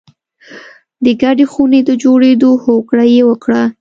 د ګډې خونې د جوړېدو هوکړه یې وکړه